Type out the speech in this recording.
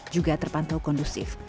juga terpantau kondusif